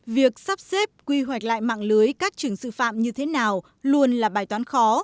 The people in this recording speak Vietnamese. việc sắp xếp quy hoạch lại mạng lưới các trường sư phạm như thế nào luôn là bài toán khó